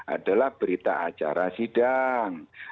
adalah berita acara sidang